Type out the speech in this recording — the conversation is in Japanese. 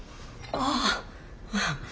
ああ。